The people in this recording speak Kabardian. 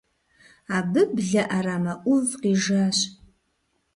Абы блэ Ӏэрамэ Ӏув къижащ.